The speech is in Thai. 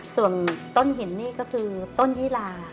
ส่วนต้นหินนี่ก็คือต้นยีลา